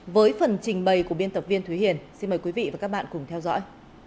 với phần trình bày của biên tập viên thúy hiền xin mời quý vị và các bạn cùng theo dõi